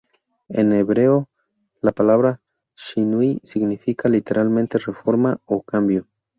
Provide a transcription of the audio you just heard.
En hebreo, la palabra Shinui significa literalmente "reforma" o "cambio".